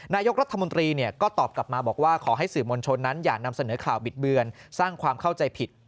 นายกรัฐมนตรีก็ตอบกลับมาบอกว่าขอให้สื่อมวลชนนั้นอย่านำเสนอข่าวบิดเบือนสร้างความเข้าใจผิด